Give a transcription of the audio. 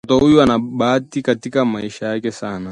Mtoto huyu ana bahati katika maisha yake sana